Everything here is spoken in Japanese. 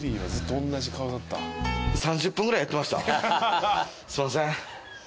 すいません。